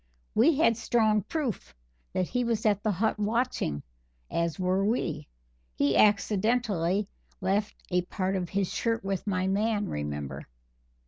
We had strong proof that he was at the hut watching, as were we; he accidentally left a part of his shirt with my man, remember.